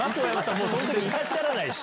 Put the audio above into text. もうその時いらっしゃらないし。